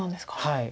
はい。